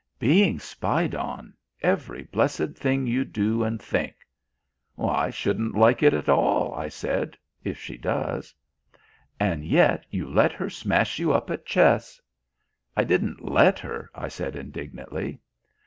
"Being spied on every blessed thing you do and think?" "I shouldn't like it at all," I said, "if she does." "And yet you let her smash you up at chess!" "I didn't let her!" I said indignantly.